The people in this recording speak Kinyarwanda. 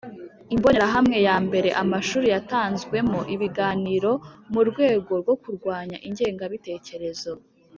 Imbonerahamwe ya mbere Amashuri yatanzwemo ibiganiro mu rwego rwo kurwanya ingengabitekerezo